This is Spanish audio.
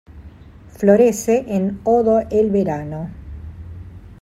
Florece en odo el verano.